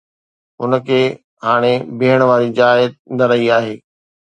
هن کي هاڻي بيهڻ واري جاءِ نه رهي آهي